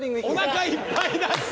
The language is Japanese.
おなかいっぱいだって！